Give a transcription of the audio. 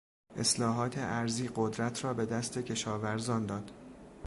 اصلاحات ارضی قدرت را به دست کشاورزان داد.